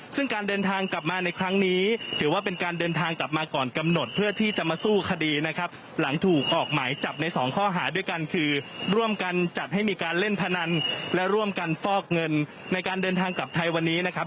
ซึ่งการเดินทางกลับมาในครั้งนี้ถือว่าเป็นการเดินทางกลับมาก่อนกำหนดเพื่อที่จะมาสู้คดีนะครับหลังถูกออกหมายจับในสองข้อหาด้วยกันคือร่วมกันจัดให้มีการเล่นพนันและร่วมกันฟอกเงินในการเดินทางกลับไทยวันนี้นะครับ